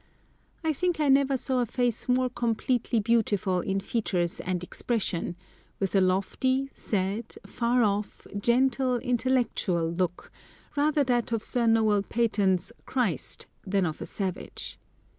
I think I never saw a face more completely beautiful in features and expression, with a lofty, sad, far off, gentle, intellectual look, rather that of Sir Noël Paton's "Christ" than of a savage.